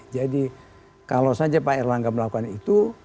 jadi kalau saja pak erlangga melakukan itu